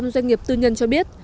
doanh nghiệp tư nhân cho biết